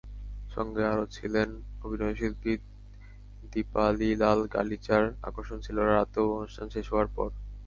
সঙ্গে আরও ছিলেন অভিনয়শিল্পী দীপালীলালগালিচার আকর্ষণ ছিল রাতেও, অনুষ্ঠান শেষ হওয়ার পর।